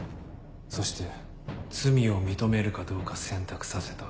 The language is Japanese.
そして罪を認めるかどうか選択させた。